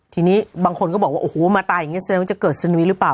ทีนี้บางคนก็บอกว่าโอ้โหมาตายอย่างนี้จะเกิดสนุนวิรึเปล่า